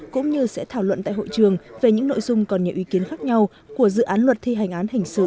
cũng như sẽ thảo luận tại hội trường về những nội dung còn nhiều ý kiến khác nhau của dự án luật thi hành án hình sự